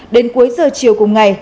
đến cuối giờ chiều cùng ngày